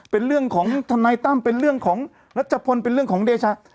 เป็นเรื่องของทนายตั้มเป็นเรื่องของรัชพลเป็นเรื่องของเดชา